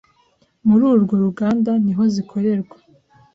muri urwo ruganda niho zikorerwa